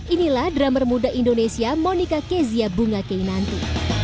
inilah drummer muda indonesia monika kezia bungakeinanti